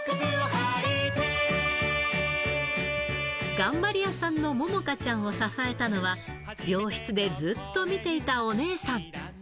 頑張り屋さんのももかちゃんを支えたのは、病室でずっと見ていたお姉さん。